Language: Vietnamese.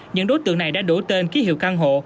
những đối tượng này đã đổi tên ký hiệu căn hộ